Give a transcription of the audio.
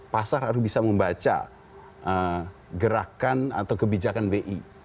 pasar harus bisa membaca gerakan atau kebijakan bi